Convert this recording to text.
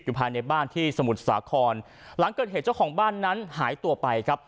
ภายในบ้านที่สมุทรสาครหลังเกิดเหตุเจ้าของบ้านนั้นหายตัวไปครับ